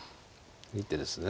いい手ですね